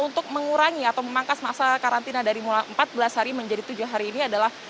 untuk mengurangi atau memangkas masa karantina dari empat belas hari menjadi tujuh hari ini adalah